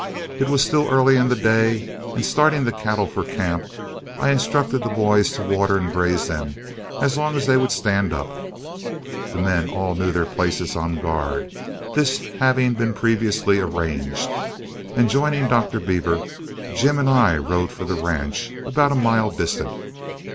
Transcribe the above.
It was still early in the day, and starting the cattle for camp, I instructed the boys to water and graze them as long as they would stand up. The men all knew their places on guard, this having been previously arranged; and joining Dr. Beaver, Jim and I rode for the ranch about a mile distant.